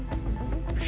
terima kasih di situ